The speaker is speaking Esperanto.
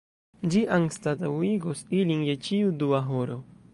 Ĝi anstataŭigos ilin je ĉiu dua horo.